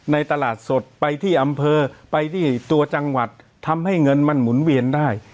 ตลาดสดไปที่อำเภอไปที่ตัวจังหวัดทำให้เงินมันหมุนเวียนได้